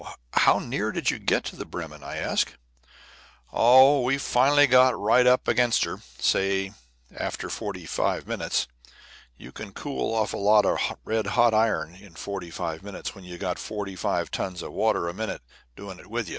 "How near did you get to the Bremen?" I asked. "Oh, we finally got right up against her, say after forty five minutes. You can cool off a lot of red hot iron in forty five minutes when you've got forty five tons of water a minute to do it with."